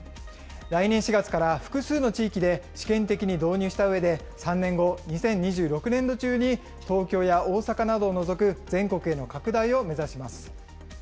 来年４月から複数の地域で試験的に導入したうえで、３年後・２０２６年度中に、東京や大阪などを除く全国への拡大を目指します。